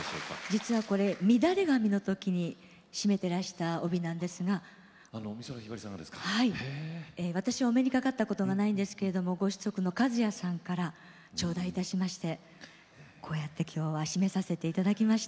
実はこれ「みだれ髪」の時に締めていらした帯なんですが私、お目にかかったことはないんですけどご子息の和也さんから頂戴いたしましてこうやって今日は締めさせていただきました。